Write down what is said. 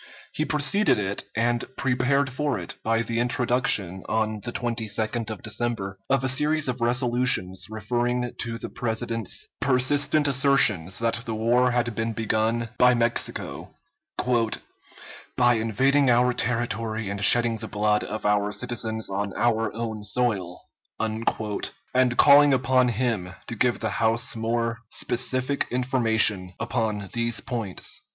He preceded it, and prepared for it, by the introduction, on the 22d of December, of a series of resolutions referring to the President's persistent assertions that the war had been begun by Mexico, "by invading our territory and shedding the blood of our citizens on our own soil," and calling upon him to give the House more specific information upon these points.